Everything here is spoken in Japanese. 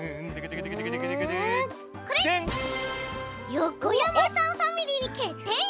よこやまさんファミリーにけってい！